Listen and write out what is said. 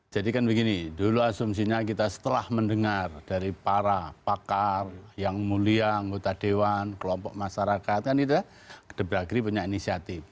jadi kan begini dulu asumsinya kita setelah mendengar dari para pakar yang mulia anggota dewan kelompok masyarakat kan kita beragri punya inisiatif